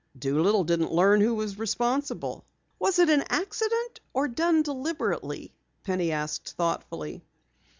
"Doolittle didn't learn who was responsible." "Was it an accident or done deliberately?" Penny asked thoughtfully.